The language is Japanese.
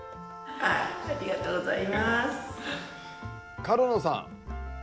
ありがとうございます。